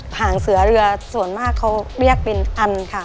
หางเสือเรือส่วนมากเขาเรียกเป็นอันค่ะ